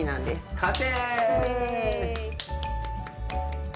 完成！